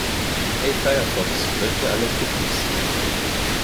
Hey Firefox, lösche alle Cookies.